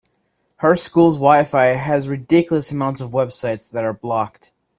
Her school’s WiFi has a ridiculous amount of websites that are blocked.